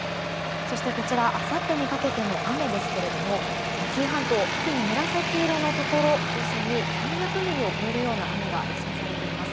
そして、あさってにかけての雨ですけれども紀伊半島、特に紫色のところ中心に３００ミリを超えるような雨が予想されています。